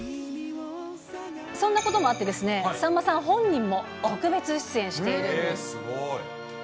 そんなこともあってですね、さんまさん本人も特別出演しているんです。